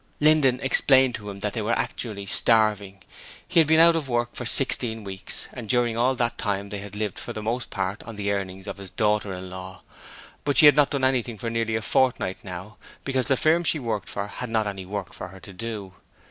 Linden explained to him that they were actually starving. He had been out of work for sixteen weeks, and during all that time they had lived for the most part on the earnings of his daughter in law, but she had not done anything for nearly a fortnight now, because the firm she worked for had not had any work for her to do.